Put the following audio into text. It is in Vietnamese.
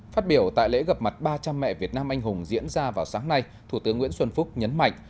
phát biểu tại lễ gặp mặt ba trăm linh mẹ việt nam anh hùng diễn ra vào sáng nay thủ tướng nguyễn xuân phúc nhấn mạnh